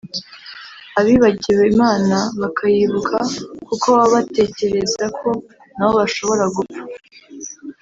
abibagiwe Imana bakayibuka kuko baba batekereza ko nabo bashobora gupfa